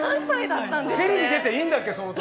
テレビ出ていいんだっけ、その年。